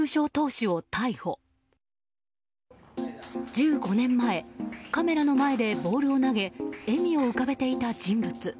１５年前、カメラの前でボールを投げ笑みを浮かべていた人物。